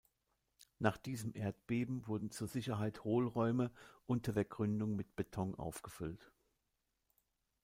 Nach diesem Erdbeben wurden zur Sicherheit Hohlräume unter der Gründung mit Beton aufgefüllt.